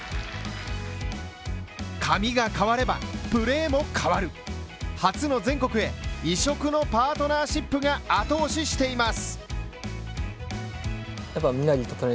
髪が変わればプレーも変わる初の全国へ異色のパートナーシップが後押ししています。